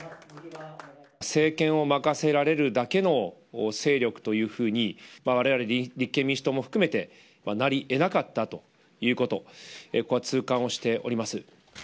政権を任せられるだけの勢力というふうにわれわれ立憲民主党も含めてなりえなかったということ、痛感をしております。